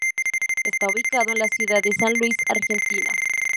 Está ubicado en la ciudad de San Luis, Argentina.